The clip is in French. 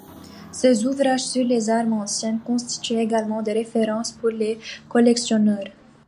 Ses ouvrages sur les armes anciennes constituent également des références pour les collectionneurs.